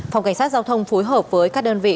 phòng cảnh sát giao thông phối hợp với các đơn vị